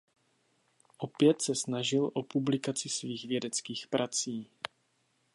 Opět se snažil o publikaci svých vědeckých prací.